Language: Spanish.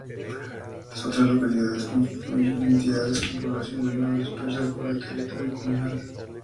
Las otras localidades constituyen entidades con población menor, dispersas por el territorio comunal.